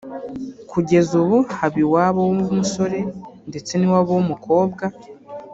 Kugeza ubu haba iwabo w’umusore ndetse n’iwabo w’umukobwa